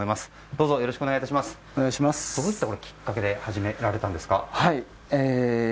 どういったきっかけで始められたんですか？